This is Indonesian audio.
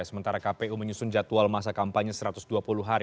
sementara kpu menyusun jadwal masa kampanye satu ratus dua puluh hari